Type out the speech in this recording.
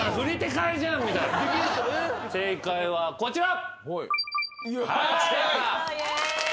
正解はこちら！